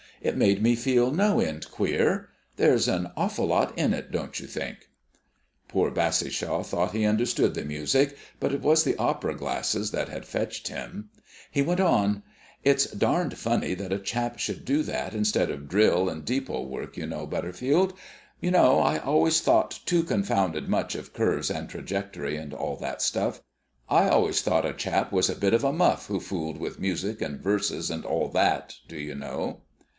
It made me feel no end queer. There's an awful lot in it, don't you think?" Poor Bassishaw thought he understood the music, but it was the opera glasses that had fetched him. He went on: "It's darned funny that a chap should do that instead of drill and depôt work, you know, Butterfield. You know, I always thought too confounded much of curves and trajectory, and all that stuff. I always thought a chap was a bit of a muff who fooled with music and verses and all that, do you know."